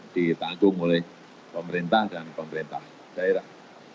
ditanggung oleh pemerintah dan pemerintah daerah